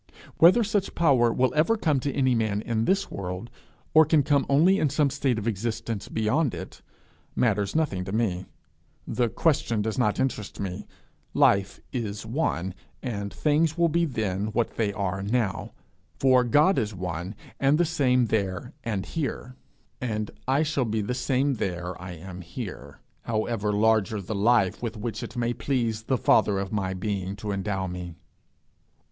Whether such power will ever come to any man in this world, or can come only in some state of existence beyond it, matters nothing to me: the question does not interest me; life is one, and things will be then what they are now; for God is one and the same there and here; and I shall be the same there I am here, however larger the life with which it may please the Father of my being to endow me.